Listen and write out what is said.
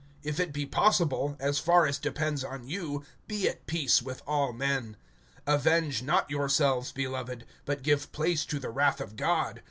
(18)If it be possible, as far as depends on you, be at peace with all men. (19)Avenge not yourselves, beloved, but give place to the wrath [of God].